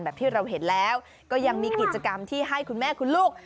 แบบที่เราเห็นแล้วก็ยังมีกิจกรรมที่ให้คุณแม่คุณลูก